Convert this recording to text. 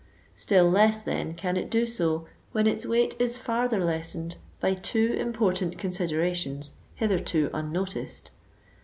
Still less then can it do so, when its weight is farther lessened by two important considerations hitherto unnoticed.